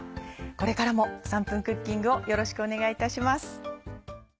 これからも『３分クッキング』をよろしくお願いいたします。